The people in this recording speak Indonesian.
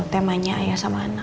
temanya ayah sama anak